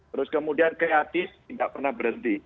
terus kemudian kreatif tidak pernah berhenti